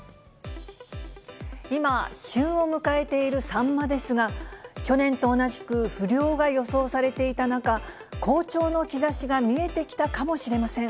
今、旬を迎えているサンマですが、去年と同じく不漁が予想されていた中、好調の兆しが見えてきたかもしれません。